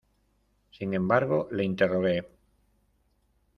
sin embargo le interrogué: